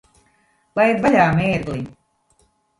Laid vaļā, mērgli!